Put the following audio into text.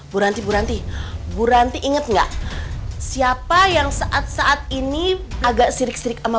buranti buranti buranti inget nggak siapa yang saat saat ini agak sirik sirik ama